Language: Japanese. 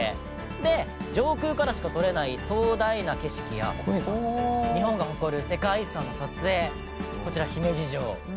「で上空からしか撮れない壮大な景色や日本が誇る世界遺産の撮影」「こちら姫路城」